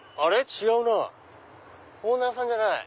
違うなオーナーさんじゃない。